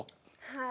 はい。